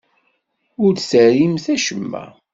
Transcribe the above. Ur d-terrimt acemma.